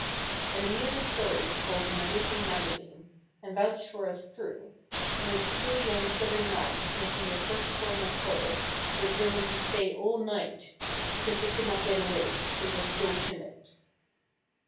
An amusing story was told in a recent magazine—and vouched for as true—in which two young southern lads making their first formal call, were driven to stay all night because they could not get away—they were so timid.